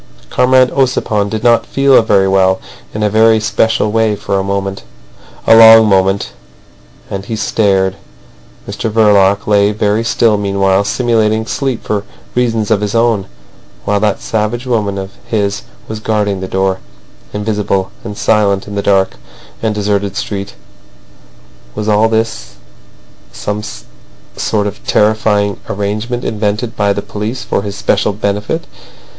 Comrade Ossipon did not feel very well in a very special way for a moment—a long moment. And he stared. Mr Verloc lay very still meanwhile, simulating sleep for reasons of his own, while that savage woman of his was guarding the door—invisible and silent in the dark and deserted street. Was all this a some sort of terrifying arrangement invented by the police for his especial benefit?